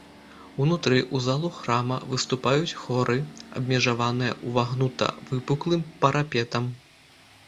Унутры ў залу храма выступаюць хоры, абмежаваныя ўвагнута-выпуклым парапетам.